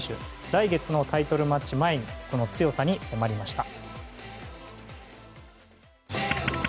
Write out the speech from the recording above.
来月のタイトルマッチ前にその強さに迫りました。